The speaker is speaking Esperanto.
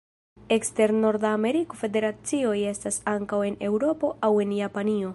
Ekster Norda Ameriko federacioj estas ankaŭ en Eŭropo aŭ en Japanio.